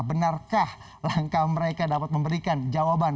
benarkah langkah mereka dapat memberikan jawaban